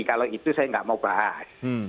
kalau itu saya nggak mau bahas